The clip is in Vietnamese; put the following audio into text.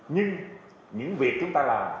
nhưng những việc chúng ta làm